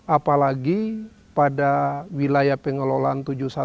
apalagi pada wilayah pengelolaan tujuh ratus dua belas